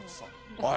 はい。